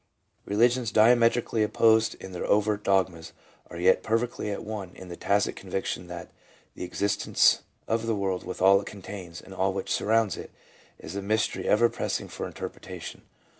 313 Religions diametrically opposed in their overt dogmas, are yet perfectly at one in the tacit conviction that the existence of the world with all it contains and all which surrounds it, is a mys tery ever pressing for interpretation.